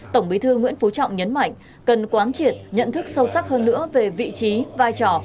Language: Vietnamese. tổng bí thư nguyễn phú trọng nhấn mạnh cần quán triệt nhận thức sâu sắc hơn nữa về vị trí vai trò